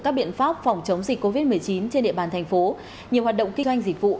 các biện pháp phòng chống dịch covid một mươi chín trên địa bàn thành phố nhiều hoạt động kinh doanh dịch vụ